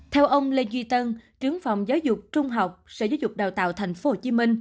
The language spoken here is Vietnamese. theo ông lê duy tân trưởng phòng giáo dục trung học sở giáo dục đào tạo tp hcm